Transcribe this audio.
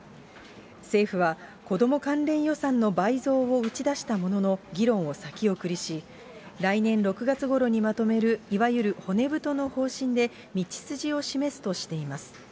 政府は、子ども関連予算の倍増を打ち出したものの議論を先送りし、来年６月ごろにまとめるいわゆる骨太の方針で、道筋を示すとしています。